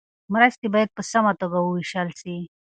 مرستې باید په سمه توګه وویشل سي.